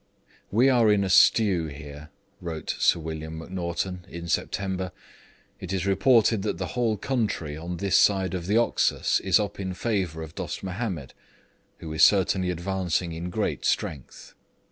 'We are in a stew here,' wrote Sir William McNaghten in September; 'it is reported that the whole country on this side the Oxus is up in favour of Dost Mahomed, who is certainly advancing in great strength.'